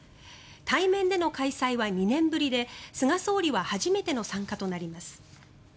対面での開催は２年ぶりで菅総理は初めての参加となります。